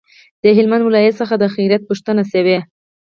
د هلمند ولایت څخه د خیریت پوښتنه شوه.